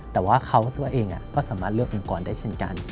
แต่ว่าเขาตัวเองก็สามารถเลือกองค์กรได้เช่นกัน